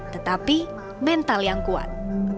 tetapi mental yang kuat